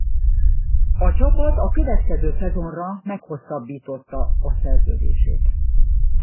A csapat a következő szezonra meghosszabbította a szerződését.